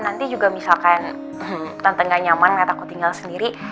nanti juga misalkan tante gak nyaman melihat aku tinggal sendiri